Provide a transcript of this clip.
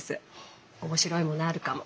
面白いものあるかも。